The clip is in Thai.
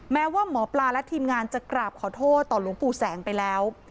แม้ว่าหมอปลาและทีมงานจะกราบขอโทษต่อหลวงปู่แสงไปแล้ว